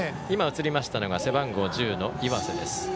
映りましたのが背番号１０の岩瀬です。